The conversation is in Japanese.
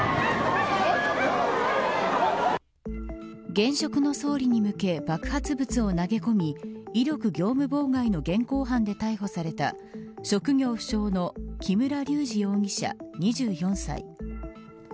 現職の総理に向け爆発物を投げ込み威力業務妨害の現行犯で逮捕された職業不詳の木村隆二容疑者２４歳。